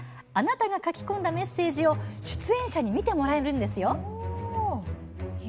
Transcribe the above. あなたが書き込んだメッセージを出演者に見てもらえるんですよ。